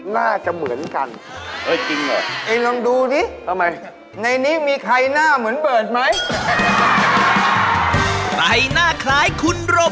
ถามใคร